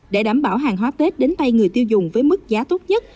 để đảm bảo hàng hóa tết đến tay người tiêu dùng với mức giá tốt nhất